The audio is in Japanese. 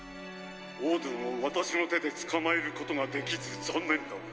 「オードゥンを私の手で捕まえることができず残念だ。